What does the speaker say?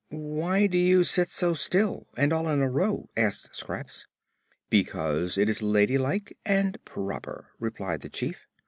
"Why do they sit so still, and all in a row?" asked Scraps. "Because it is ladylike and proper," replied the Chief.